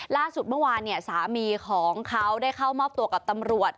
ล่าสุดเมื่อวานเนี่ยสามีของเขาได้เข้ามอบตัวกับตำรวจ